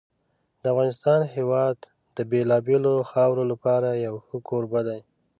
د افغانستان هېواد د بېلابېلو خاورو لپاره یو ښه کوربه دی.